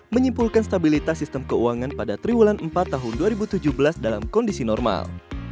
menyimpulkan stabilitas sistem keuangan pada triwulan empat tahun dua ribu tujuh belas dalam kondisi normal